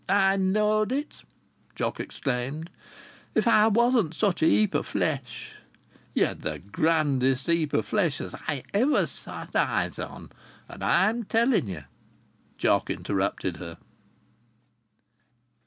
"I knowed it!" Jock exclaimed. "If I wasn't such a heap o' flesh " "Ye're the grandest heap o' flesh as I ever set eyes on, and I'm telling ye!" Jock interrupted her.